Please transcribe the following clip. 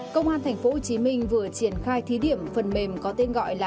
công an thành phố hồ chí minh vừa triển khai thí điểm phần mềm có tên gọi là as